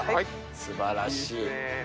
すばらしい。